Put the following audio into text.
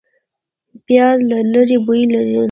پیاز له لرې بوی لري